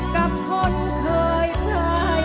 กับคนเคยเงย